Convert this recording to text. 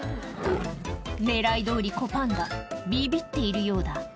ねらいどおり、子パンダ、びびっているようだ。